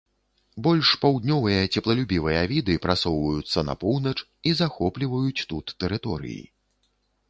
Больш паўднёвыя цёплалюбівыя віды прасоўваюцца на поўнач і захопліваюць тут тэрыторыі.